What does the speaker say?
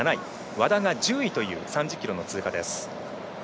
和田が１０位という３０ｋｍの通過です。